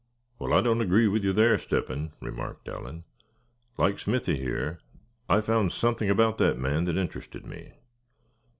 "Well, I don't agree with you there, Step hen," remarked Allan. "Like Smithy here, I found something about that man that interested me.